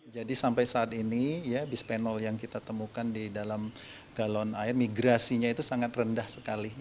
jadi sampai saat ini bisphenol yang kita temukan di dalam galon air migrasinya itu sangat rendah sekali